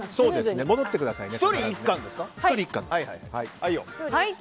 戻ってくださいね。